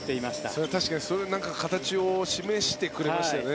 それは確かに形を示してくれましたよね。